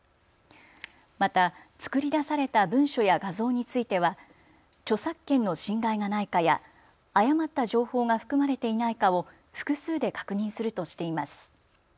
また作り出された文書や画像については著作権の侵害がないかや誤った情報が含まれていないかを複数で確認するとしています。